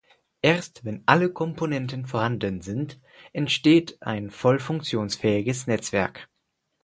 Erst wenn alle Komponenten vorhanden sind, entsteht ein voll funktionsfähiges Netzwerk.